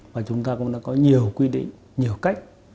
và chúng ta cũng đã có nhiều quy định nhiều cách